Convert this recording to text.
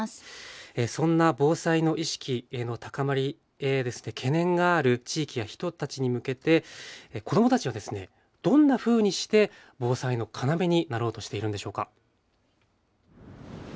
そんな防災の意識の高まりへ懸念がある地域や人たちに向けて子どもたちはどんなふうにして防災の要になろうとしているんでしょうか。